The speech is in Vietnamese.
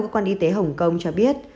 cơ quan y tế hồng kông cho biết